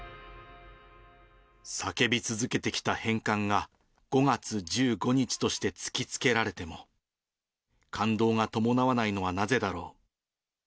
叫び続けてきた返還が、５月１５日として突きつけられても、感動が伴わないのはなぜだろう。